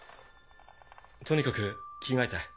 とにかく着替えて。